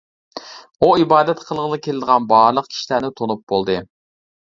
ئۇ ئىبادەت قىلغىلى كېلىدىغان بارلىق كىشىلەرنى تونۇپ بولدى.